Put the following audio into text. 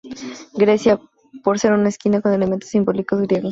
Grecia, por ser una esquina con elementos simbólicos griegos.